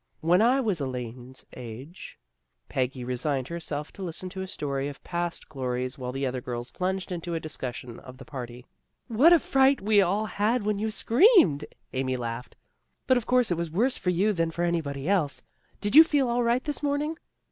When I was Elaine's age " Peggy resigned herself to listen to a story of past glories while the other girls plunged into a discussion of the party. " What a fright we all had when you screamed! " Amy laughed. " But, of course, it was worse for you than for anybody else. Did you feel all right this morn ing?